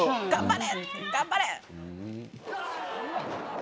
頑張れ！